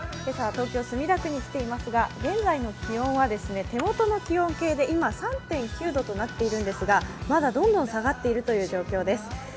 今朝は東京・墨田区に来ていますが現在の気温は手元の気温計で３．９度となっているんですが、まだどんどん下がっているという状況です。